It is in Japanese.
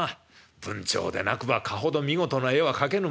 文晁でなくばかほど見事な絵は描けぬもの。